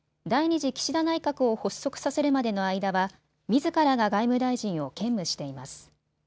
次岸田内閣を発足させるまでの間はみずからが外務大臣を兼務しています。